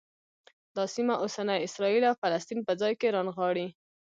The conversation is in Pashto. دا سیمه اوسني اسرایل او فلسطین په ځان کې رانغاړي.